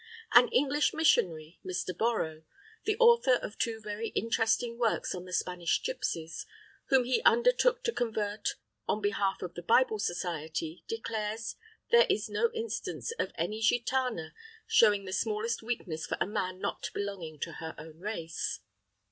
An English missionary, Mr. Borrow, the author of two very interesting works on the Spanish gipsies, whom he undertook to convert on behalf of the Bible Society, declares there is no instance of any gitana showing the smallest weakness for a man not belonging to her own race.